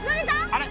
あれ？